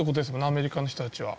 アメリカの人たちは。